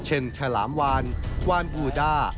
เช่นชาลามวานวานบูดา